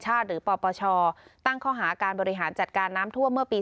หรือปปชตั้งข้อหาการบริหารจัดการน้ำทั่วเมื่อปี๒๕